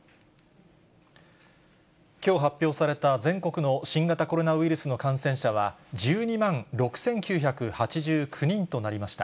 きょう発表された全国の新型コロナウイルスの感染者は１２万６９８９人となりました。